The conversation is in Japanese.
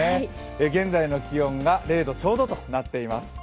現在の気温が０度ちょうどとなっています。